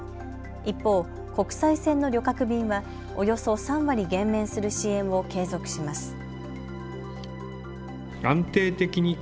一方、国際線の旅客便はおよそ３割減免する支援を継続します。